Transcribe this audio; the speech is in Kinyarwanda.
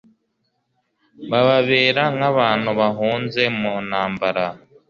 bababera nk abantu bahunze mu ntambara